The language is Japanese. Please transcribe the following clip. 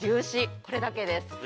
これだけです。